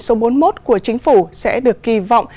số bốn mươi một của chính phủ sẽ được kỳ vọng